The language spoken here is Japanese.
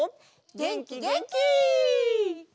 げんきげんき！